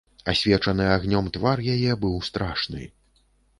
Асвечаны агнём твар яе быў страшны.